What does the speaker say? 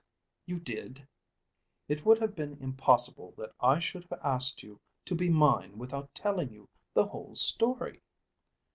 "You did." "It would have been impossible that I should have asked you to be mine without telling you the whole story."